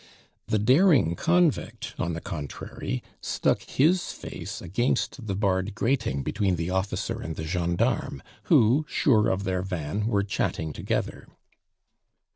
The daring convict, on the contrary, stuck his face against the barred grating, between the officer and the gendarme, who, sure of their van, were chatting together.